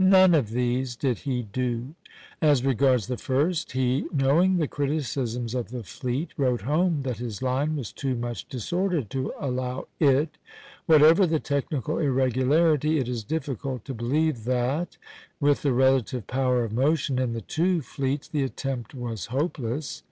None of these did he do. As regards the first, he, knowing the criticisms of the fleet, wrote home that his line was too much disordered to allow it. Whatever the technical irregularity, it is difficult to believe that, with the relative power of motion in the two fleets, the attempt was hopeless.